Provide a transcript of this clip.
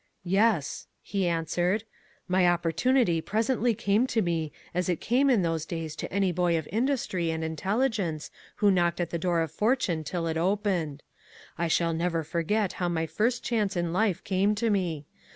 "Yes," he answered, "my opportunity presently came to me as it came in those days to any boy of industry and intelligence who knocked at the door of fortune till it opened. I shall never forget how my first chance in life came to me.